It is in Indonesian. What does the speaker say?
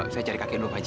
saya cari kakek dulu pak